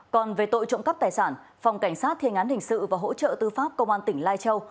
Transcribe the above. còn về tội trộm cắp tài sản phòng cảnh sát thiên án hình sự và hỗ trợ tư pháp công an tỉnh lai châu